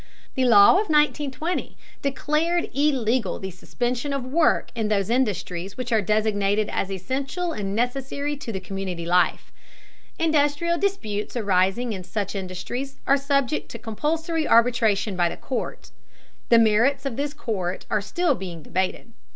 The law of 1920 declared illegal the suspension of work in those industries which are designated as essential and necessary to the community life. Industrial disputes arising in such industries are subject to compulsory arbitration by the court. The merits of this court are still being debated.